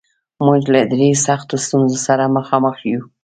موږ له ډېرو سختو ستونزو سره مخامخ یو